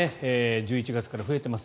１１月から増えています。